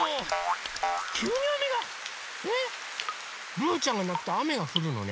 ルーちゃんがなくとあめがふるのね。